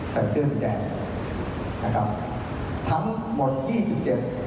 ใส่เสื้อสีแดงเนี่ยนะครับทั้งหมดยี่สิบเจ็ด